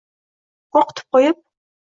Qo‘rqitib qo‘yib